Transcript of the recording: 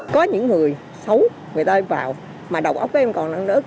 có những người xấu người ta vào mà đầu óc em còn nớp